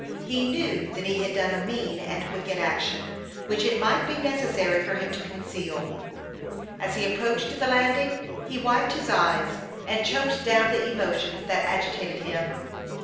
He knew that he had done a mean and wicked action, which it might be necessary for him to conceal. As he approached the landing, he wiped his eyes, and choked down the emotions that agitated him.